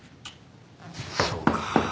そうか。